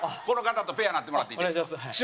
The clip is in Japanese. この方とペアなってもらっていいですか